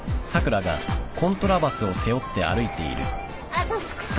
あと少し。